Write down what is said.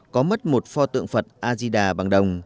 có mất một pho tượng phật a di đà bằng đồng